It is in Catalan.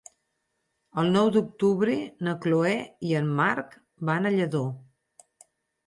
El nou d'octubre na Chloé i en Marc van a Lladó.